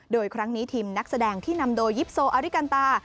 โดยครั้งนี้ทีมนักแสดงที่นำโดยยิปโซอาริกันตา